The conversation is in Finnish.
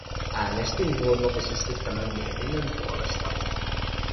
Äänestin luonnollisesti tämän mietinnön puolesta.